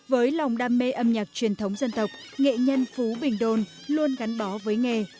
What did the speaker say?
với lòng đam mê âm nhạc truyền thống dân tộc nghệ nhân phú bình đôn luôn gắn bó với nghề